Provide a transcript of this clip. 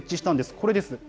これです。